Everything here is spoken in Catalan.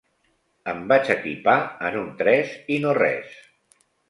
Em vaig equipar en un tres i no res.